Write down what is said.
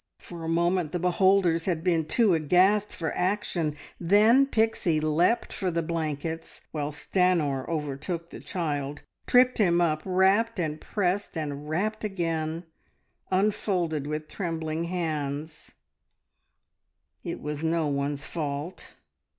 For a moment the beholders had been too aghast for action; then Pixie leapt for the blankets, while Stanor overtook the child, tripped him up, wrapped and pressed and wrapped again; unfolded with trembling hands It was no one's fault.